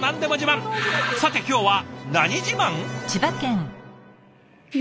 さて今日は何自慢？